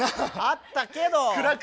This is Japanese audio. あったけど。